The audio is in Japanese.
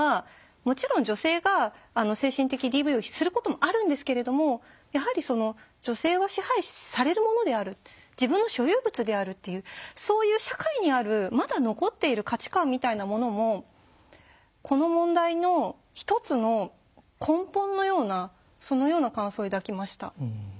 もちろん女性が精神的ＤＶをすることもあるんですけれどもやはり女性は支配されるものである自分の所有物であるっていうそういう社会にあるまだ残っている価値観みたいなものもこの問題の一つの根本のようなそのような感想を抱きました。